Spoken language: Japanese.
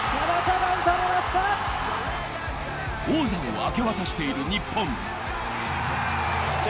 王座を明け渡している日本。